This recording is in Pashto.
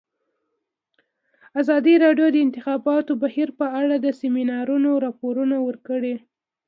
ازادي راډیو د د انتخاباتو بهیر په اړه د سیمینارونو راپورونه ورکړي.